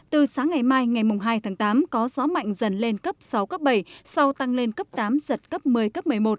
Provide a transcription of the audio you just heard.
từ sáng ngày mai ngày hai tháng tám có gió mạnh dần lên cấp sáu cấp bảy sau tăng lên cấp tám giật cấp một mươi cấp một mươi một